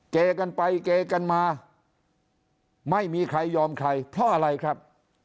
เกกันไปเกกันมาไม่มีใครยอมใครเพราะอะไรครับ